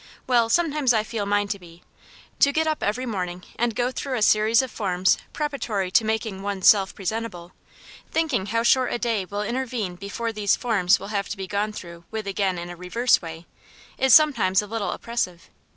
Well, sometimes I feel mine to be. To get up every morning and go through* a series of forms preparatory to making one's self pre sentable, thinking how short a day will intervene before these forms will have to be gone through with again in a reverse way, is sometimes a little op pressive.